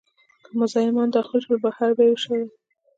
که مزاحمان داخل شول، بهر به یې وشړل.